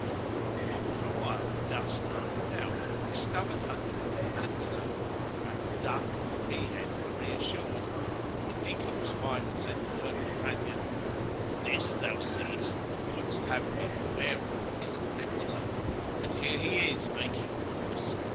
"[FN#143] After awhile the dust opened out and discovered under it an antelope; whereat the duck and the peahen were reassured and the peacock's wife said to her companion, "O my sister, this thou seest and wouldst have me beware of is an antelope, and here he is, making for us.